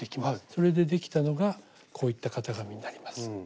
それでできたのがこういった型紙になります。